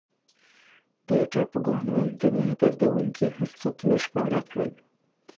د ټاپوګانو موندنې دردونکي حقیقتونه ښکاره کړل.